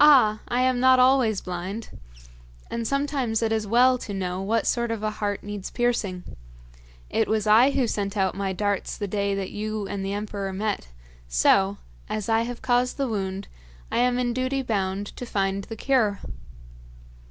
'Ah! I am not always blind. And sometimes it is well to know what sort of a heart needs piercing. It was I who sent out my darts the day that you and the emperor met, so, as I have caused the wound, I am in duty bound to find the cure!'